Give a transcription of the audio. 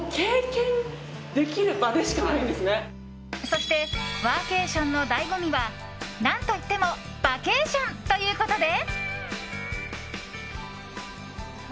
そしてワーケーションのだいご味は何といってもバケーションということで。